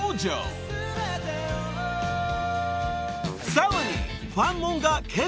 ［さらに］